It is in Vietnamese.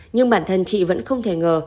nhưng bản thân chị vẫn không thể ngờ